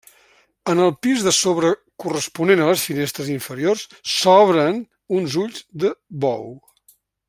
En el pis de sobre corresponent a les finestres inferiors, s'obren uns ulls de bou.